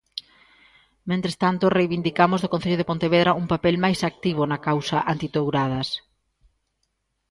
Mentres tanto, reivindicamos do Concello de Pontevedra un papel máis activo na causa antitouradas.